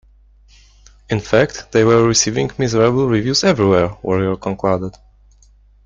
In fact, they were "receiving miserable reviews everywhere", Warrior concluded.